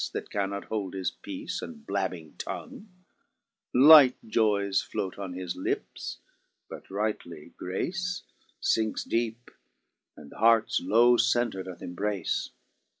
That cannot hold his peace and blabbing tongue ; Light joyes float on his lips, but rightly grace Sinckes deepe, and th' heart's low center doth imbrace.